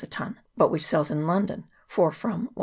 a ton, but which sells in London for from 122